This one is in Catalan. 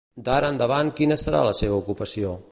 D'ara endavant quina serà la seva ocupació?